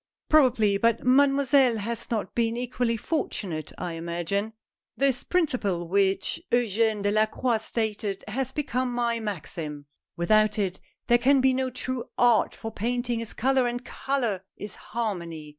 " Probably, but Mademoiselle has not been equally fortunate, I imagine. This principle which Eugene HOW PICTURES ARE MADE. 141 Delacroix stated, has become my maxim. Without it, there can be no true art, for painting is color, and color is harmony.